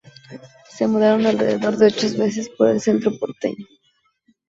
Se mudaron alrededor de ocho veces por el centro porteño.